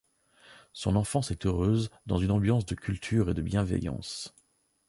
Son enfance est heureuse, dans une ambiance de culture et de bienveillance.